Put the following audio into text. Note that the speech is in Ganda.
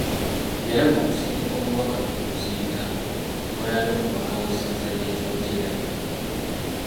Yalemwa okusindika omubaka mu kuziika kw’eyali omubaka w’essaza lya Kyotera.